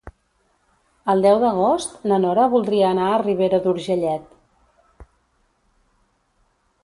El deu d'agost na Nora voldria anar a Ribera d'Urgellet.